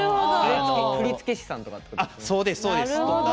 振付師さんとかですか？